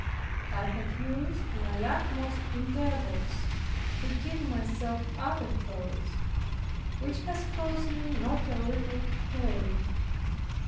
I had used my utmost endeavors to give myself other thoughts, which had caused me not a little pain.